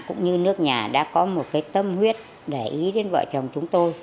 cũng như nước nhà đã có một cái tâm huyết để ý đến vợ chồng chúng tôi